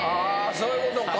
そういうことか。